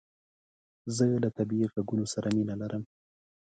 زه له طبیعي عږونو سره مینه لرم